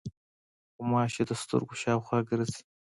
غوماشې د سترګو شاوخوا ګرځي.